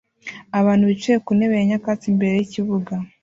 Abantu bicaye ku ntebe ya nyakatsi imbere yikibuga